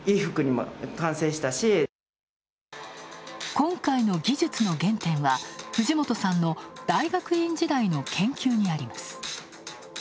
今回の技術の原点は、藤本さんの大学院時代の研究にあります。